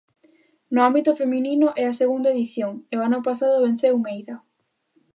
No ámbito feminino, é a segunda edición e o ano pasado venceu Meira.